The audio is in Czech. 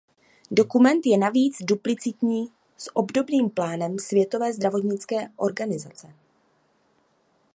Dokument je navíc duplicitní s obdobným plánem Světové zdravotnické organizace.